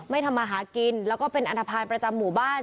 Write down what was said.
ทำมาหากินแล้วก็เป็นอันทภาณประจำหมู่บ้าน